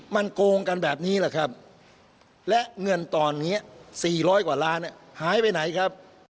มันโกงกันแบบนี้แหละครับและเงินตอนนี้๔๐๐กว่าล้านหายไปไหนครับ